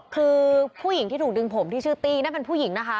คือผู้หญิงที่ถูกดึงผมที่ชื่อตี้นั่นเป็นผู้หญิงนะคะ